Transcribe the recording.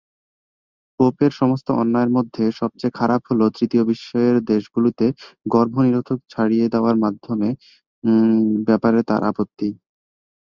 পোপের সমস্ত অন্যায়ের মধ্যে সবচেয়ে খারাপ হল তৃতীয় বিশ্বের দেশগুলিতে গর্ভনিরোধক ছড়িয়ে দেওয়ার ব্যাপারে তার আপত্তি।